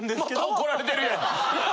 また怒られてるやん。